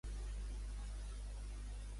Quan va tocar Rigalt a Espanya?